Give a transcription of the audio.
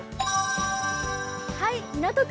港区